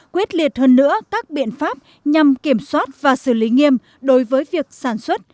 quyết liệt hơn nữa các biện pháp nhằm kiểm soát và xử lý nghiêm đối với việc sản xuất